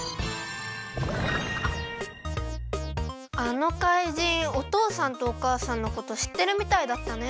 あのかいじんおとうさんとおかあさんのことしってるみたいだったね。